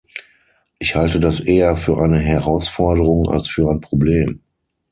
Ich halte das eher für eine Herausforderung als für ein Problem.